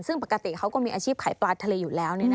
ซึ่งปกติเขาก็มีอาชีพขายปลาทะเลอยู่แล้ว